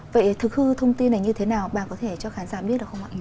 vậy thực hư thông tin này như thế nào bà có thể cho khán giả biết được không ạ